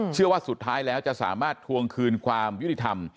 สุดท้ายแล้วจะสามารถทวงคืนความยุติธรรม